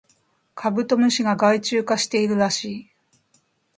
カブトムシが害虫化しているらしい